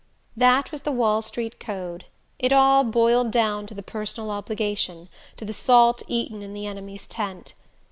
That was the Wall Street code: it all "boiled down" to the personal obligation, to the salt eaten in the enemy's tent.